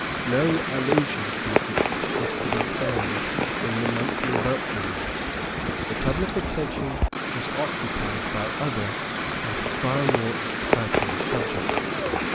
No allusion to it is to be found in the Monthly Mercuries. The public attention was occupied by other and far more exciting subjects.